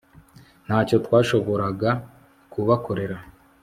ntacyo twashoboraga kubakorera